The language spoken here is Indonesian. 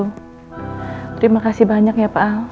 terima kasih banyak ya pak